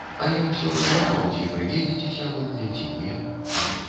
А я ўсё разважаў, ці прыедзеце сягоння, ці не.